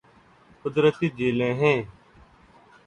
قدرتی جھیلیں ہیں